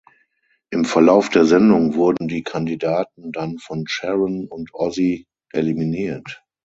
Im Verlauf der Sendung wurden die Kandidaten dann von Sharon und Ozzy eliminiert.